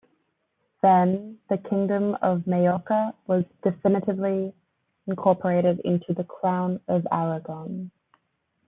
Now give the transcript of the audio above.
Then, the Kingdom of Majorca was definitively incorporated into the Crown of Aragon.